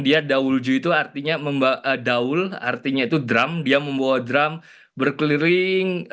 dia dawulju itu artinya membawa daul artinya itu drum dia membawa drum berkeliling